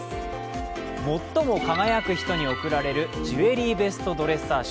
最も輝く人に贈られるジュエリーベストドレッサー賞。